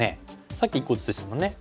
さっき１個ずつでしたもんね。